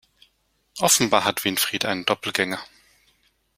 Offenbar hat Winfried einen Doppelgänger.